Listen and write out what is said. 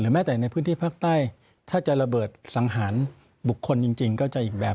แม้แต่ในพื้นที่ภาคใต้ถ้าจะระเบิดสังหารบุคคลจริงก็จะอีกแบบ